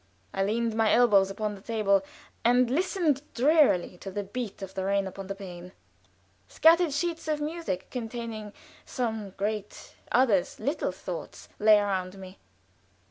I leaned my elbows upon the table, and listened drearily to the beat of the rain upon the pane. Scattered sheets of music containing, some great, others little thoughts, lay around me.